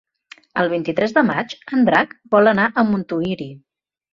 El vint-i-tres de maig en Drac vol anar a Montuïri.